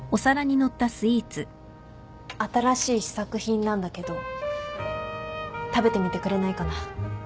新しい試作品なんだけど食べてみてくれないかな？